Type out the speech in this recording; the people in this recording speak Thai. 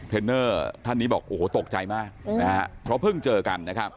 เทรนเนอร์ท่านนี้บอกโอ้โหตกใจมากเพราะเพิ่งเจอกัน